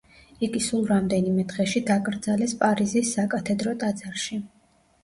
იგი სულ რამდენიმე დღეში დაკრძალეს პარიზის საკათედრო ტაძარში.